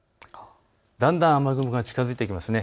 だんだん雨雲が近づいてきますね。